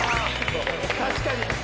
確かに。